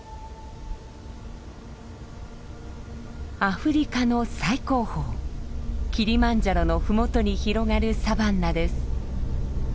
アフリカの最高峰キリマンジャロの麓に広がるサバンナです。